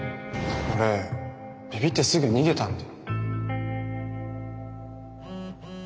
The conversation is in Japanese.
俺びびってすぐ逃げたんで。